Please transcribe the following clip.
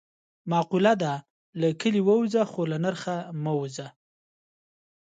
معقوله ده: له کلي ووځه خو له نرخ نه مه وځه.